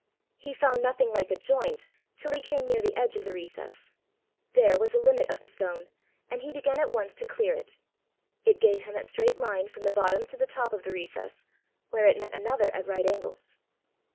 He found nothing like a joint till he came near the edge of the recess: there was a limit of the stone, and he began at once to clear it. It gave him a straight line from the bottom to the top of the recess, where it met another at right angles.